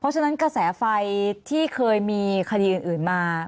ฉะนั้นกระแสไฟที่เคยมีคดีอื่นมา